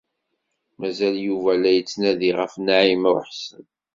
Mazal Yuba la yettnadi ɣef Naɛima u Ḥsen.